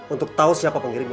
untuk tau siapa pengirimnya